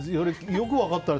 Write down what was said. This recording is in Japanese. よく分かったね。